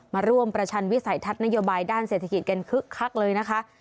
มาร่วมประชันวิสัยทัศน์นโยบายด้านเศรษฐกิจกันคึกคักเลยนะคะ